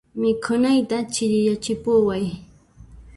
Mikhunayta chiriyachipuway.